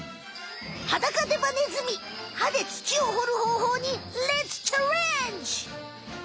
ハダカデバネズミ歯で土をほるほうほうにレッツチャレンジ！